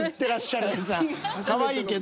かわいいけど。